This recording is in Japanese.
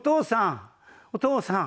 「お父さん！